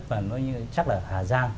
và nó chắc là hà giang